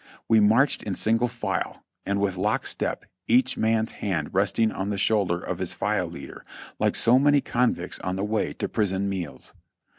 We marched in single file and with lock step, each man's hand resting on the shoulder of his file leader, like so many convicts on the way to prison meals.